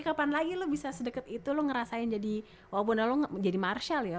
ya kapan lagi lo bisa sedekat itu lo ngerasain jadi walaupun lo jadi marshall ya